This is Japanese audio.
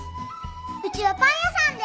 うちはパン屋さんです。